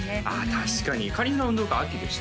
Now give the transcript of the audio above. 確かにかりんさんは運動会秋でした？